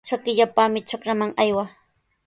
Trakipallami trakraman aywaa.